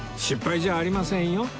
失敗じゃありませんよ。